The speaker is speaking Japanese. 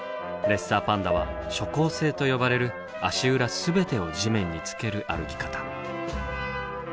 レッサーパンダは「蹠行性」と呼ばれる足裏全てを地面につける歩き方。